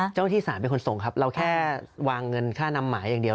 เจ้าหน้าที่ศาลเป็นคนส่งครับเราแค่วางเงินค่านำหมายอย่างเดียว